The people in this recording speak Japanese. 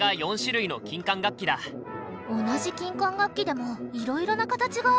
同じ金管楽器でもいろいろな形があるんだね。